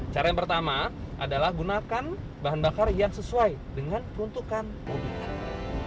cara yang pertama adalah gunakan bahan bakar yang sesuai dengan peruntukan mobilnya